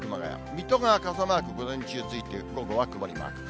水戸が傘マーク、午前中ついて、午後は曇りマーク。